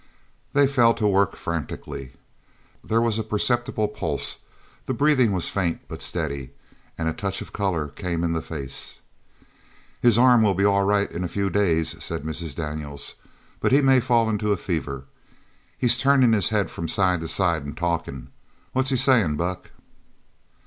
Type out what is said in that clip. They fell to work frantically. There was a perceptible pulse, the breathing was faint but steady, and a touch of colour came in the face. "His arm will be all right in a few days," said Mrs. Daniels, "but he may fall into a fever. He's turnin' his head from side to side and talkin'. What's he sayin', Buck?"